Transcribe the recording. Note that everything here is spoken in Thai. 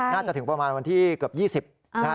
น่าจะถึงประมาณวันที่เกือบ๒๐วันนะฮะ